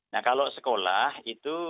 nah kalau sekolah itu